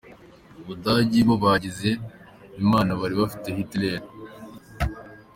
Ubudagi bo bagize Imana bari bafise Hitler.